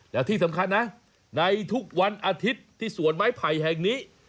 แล้วที่สำคัญนะในทุกวันอาทิตย์ที่สวนไม้ไผ่แห่งนี้